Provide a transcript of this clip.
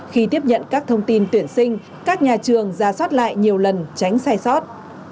khi tiếp nhận các thông tin tuyển sinh các nhà trường ra soát lại nhiều lần tránh sai sót